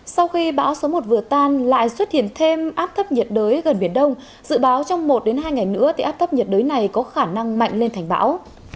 sau khi bão số một vừa tan lại xuất hiện thêm áp thấp nhiệt đới gần biển đông dự báo trong một hai ngày nữa thì áp thấp nhiệt đới này có khả năng mạnh lên thành bão